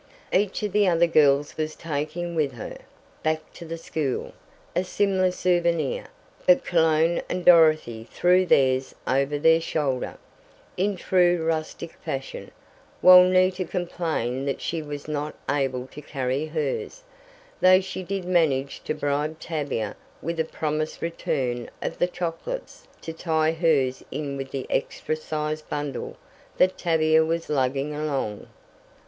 Each of the other girls was taking with her, back to the school, a similar souvenir; but Cologne and Dorothy threw theirs over their shoulder, in true rustic fashion, while Nita complained that she was not able to carry hers; though she did manage to bribe Tavia with a promised return of the chocolates to tie hers in with the extra sized bundle that Tavia was lugging along.